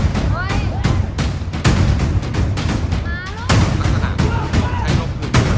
จะต้องให้ลบ